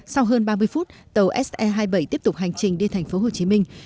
sau hơn ba mươi phút tàu se hai mươi bảy tiếp tục hành trình đi thành phố hồ chí minh